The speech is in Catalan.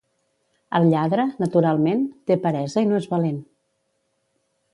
El lladre, naturalment, té peresa i no és valent.